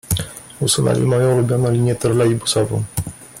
Usunęli moją ulubioną linię trolejbusową.